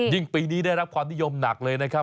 ปีนี้ได้รับความนิยมหนักเลยนะครับ